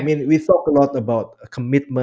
kita banyak berbicara tentang komitmen